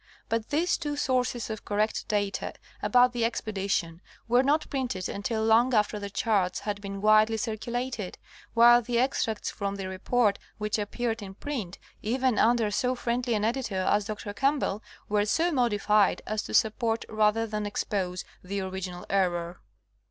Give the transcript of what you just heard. But these two sources of correct data about the expedition were not printed until long after the charts had been widely circulated, while the extracts from the Report which appeared in print, even under so friendly an editor as Dr. Campbell were so modified as to support rather than expose the original error.